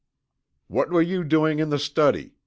"What were you doing in the study?"